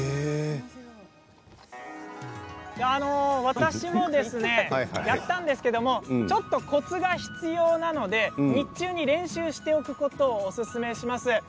私もやったんですけどちょっとコツが必要なので日中に練習しておくことをおすすめします。